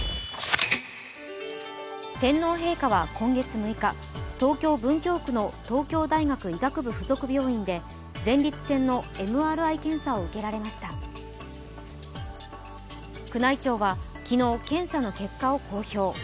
天皇陛下は今月６日東京・文京区の東京大学医学部附属病院で前立腺のＭＲＩ検査を受けられました宮内庁は昨日検査の結果を公表。